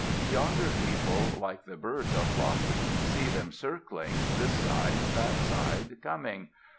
Yonder people like the birds are flocking; See them circling, this side, that side coming.